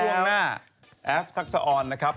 ช่วงหน้าแอสทักษะออนนะครับ